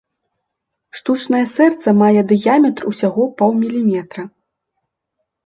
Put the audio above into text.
Штучнае сэрца мае дыяметр усяго паўміліметра.